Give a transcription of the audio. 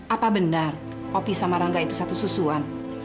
apa benar opi sama rangga itu satu susuan